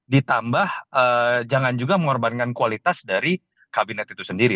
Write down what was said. ditambah jangan juga mengorbankan kualitas dari kabinet itu sendiri